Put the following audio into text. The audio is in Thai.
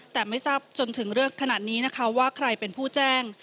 แต่ไม่ทราบจนถึงเลือกขนาดนี้นะคะว่าใครเป็นผู้แจ้ง